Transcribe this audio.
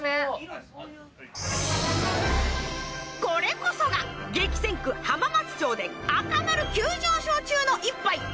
これこそが激戦区浜松町で赤丸急上昇中の１杯。